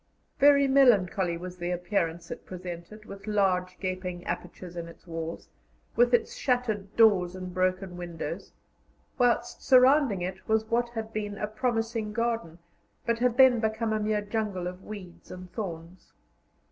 Very melancholy was the appearance it presented, with large gaping apertures in its walls, with its shattered doors and broken windows; whilst surrounding it was what had been a promising garden, but had then become a mere jungle of weeds and thorns.